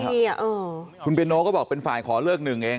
คุณเปียโนก็บอกเป็นฝ่ายขอเลือกหนึ่งเอง